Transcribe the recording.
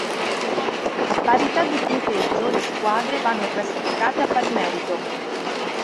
A parità di punteggio le squadre vanno classificate a pari merito.